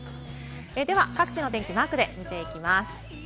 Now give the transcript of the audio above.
では各地の天気をマークで見ていきます。